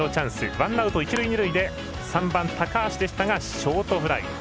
ワンアウト、一塁二塁で３番高橋ショートフライ。